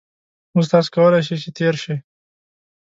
اوس تاسو کولای شئ چې تېر شئ